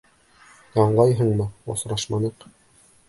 Аңлайһыңмы, осрашманыҡ!